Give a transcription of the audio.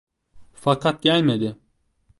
Fakat gelmedi.